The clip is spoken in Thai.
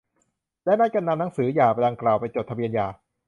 และนัดกันนำหนังสือหย่าดังกล่าวไปจดทะเบียนหย่า